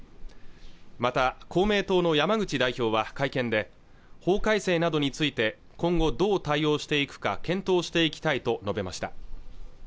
また公明党の山口代表は会見で法改正などについて今後どう対応していくか検討していきたいと述べました